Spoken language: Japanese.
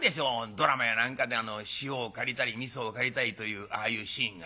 ドラマや何かで塩を借りたりみそを借りたりというああいうシーンが」。